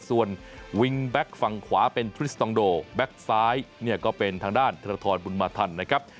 ส่วนวิงแบ็คฝั่งขวาเป็นทริสตองโดแบ็คซ้ายเนี่ยก็เป็นทางด้านธนทรบุญมาทันนะครับ